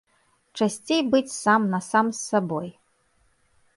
Часцей быць сам-насам з сабой.